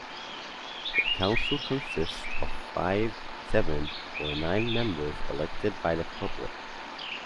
The council consists of five, seven, or nine members elected by the public.